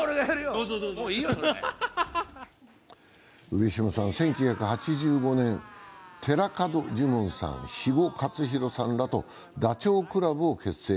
上島さんは１９８５年、寺門ジモンさん、肥後克広さんらとダチョウ倶楽部を結成。